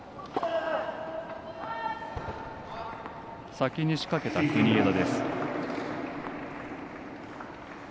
先に仕掛けた国枝。